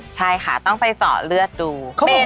ใช่ค่ะต้องไปเจาะเลือดดู